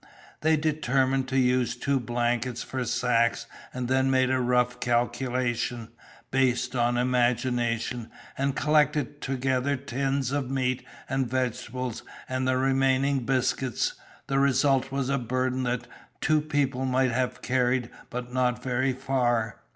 They determined to use two blankets for sacks and then made a rough calculation, based on imagination, and collected together tins of meat and vegetables and the remaining biscuits, the result was a burden that two people might have carried but not very far.